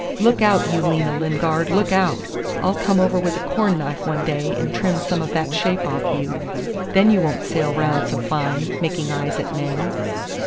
"Look out, you Lena Lingard, look out! I'll come over with a corn knife one day and trim some of that shape off you. Then you won't sail round so fine, making eyes at the men!